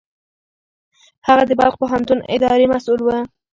هغه د بلخ پوهنتون اداري مسوول و.